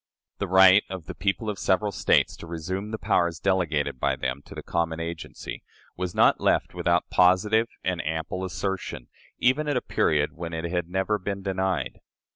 The right of the people of the several States to resume the powers delegated by them to the common agency, was not left without positive and ample assertion, even at a period when it had never been denied.